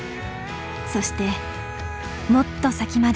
そしてもっと先まで。